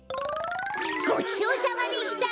ごちそうさまでした！